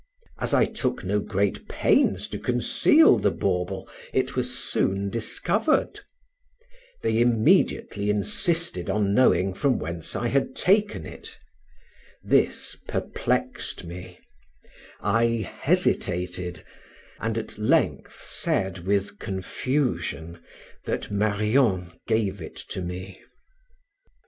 As I took no great pains to conceal the bauble, it was soon discovered; they immediately insisted on knowing from whence I had taken it; this perplexed me I hesitated, and at length said, with confusion, that Marion gave it me.